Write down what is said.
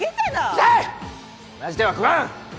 同じ手は食わん！